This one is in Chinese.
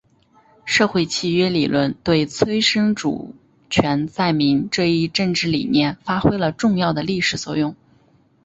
社会契约理论对催生主权在民这一政治理念发挥了重要的历史作用。